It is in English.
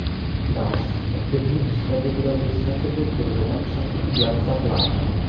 Thus, the kidney is particularly sensitive to reduction in blood supply.